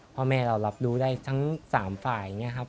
พ่อแม่เรารับรู้ได้ทั้ง๓ฝ่ายอย่างนี้ครับ